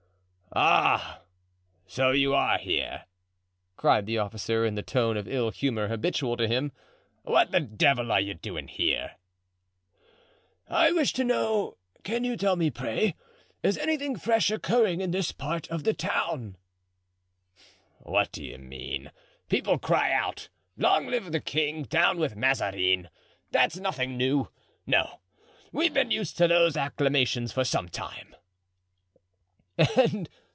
"Ah! so you are here!" cried the officer, in the tone of ill humor habitual to him; "what the devil are you doing here?" "I wish to know—can you tell me, pray—is anything fresh occurring in this part of the town?" "What do you mean? People cry out, 'Long live the king! down with Mazarin!' That's nothing new; no, we've been used to those acclamations for some time."